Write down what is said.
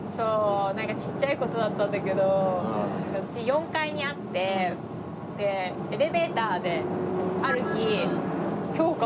ちっちゃい事だったんだけど家４階にあってエレベーターである日。